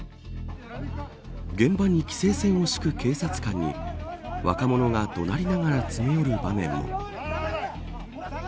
現場に規制線を敷く警察官に若者が怒鳴りながら詰め寄る場面も。